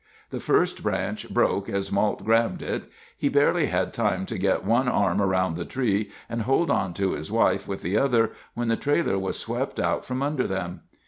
The first branch broke as Mault grabbed it. He barely had time to get one arm around the tree and hold onto his wife with the other when the trailer was swept out from under them.